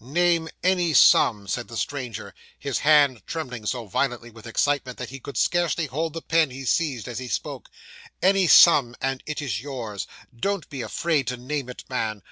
'"Name any sum," said the stranger, his hand trembling so violently with excitement, that he could scarcely hold the pen he seized as he spoke "any sum, and it is yours. Don't be afraid to name it, man.